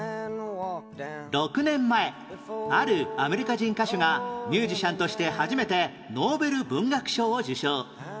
６年前あるアメリカ人歌手がミュージシャンとして初めてノーベル文学賞を受賞